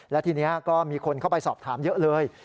และทีนี้ก็มีคนเข้าไปสอบถามเยอะเลย